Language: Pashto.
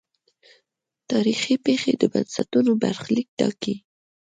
تاریخي پېښې د بنسټونو برخلیک ټاکي.